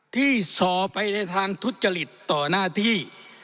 สอไปในทางทุจริตต่อหน้าที่